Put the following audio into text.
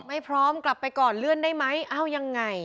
ไม่พร้อมกลับไปก่อนเลื่อนได้ไหมเอ้ายังไง